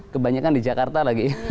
kebanyakan di jakarta lagi